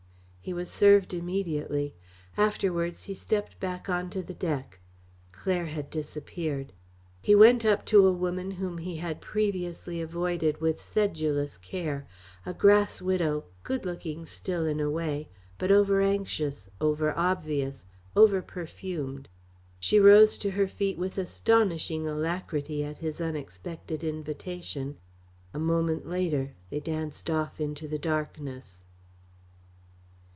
He was served immediately. Afterwards he stepped back on to the deck. Claire had disappeared. He went up to a woman whom he had previously avoided with sedulous care a grass widow, good looking still in a way, but overanxious, overobvious, overperfumed. She rose to her feet with astonishing alacrity at his unexpected invitation. A moment later they danced off into the darkness.